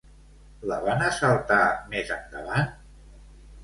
La van assaltar més endavant?